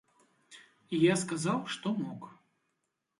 І я сказаў, што мог.